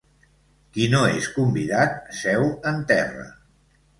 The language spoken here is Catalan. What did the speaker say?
Qui no és convidat seu en terra.